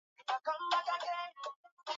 Kuna samadi za kuku